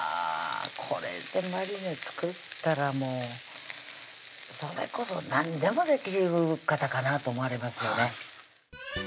これでマリネ作ったらそれこそ何でもできる方かなと思われますよね